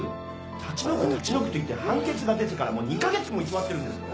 立ち退く立ち退くと言って判決が出てからもう２カ月も居座ってるんですよ！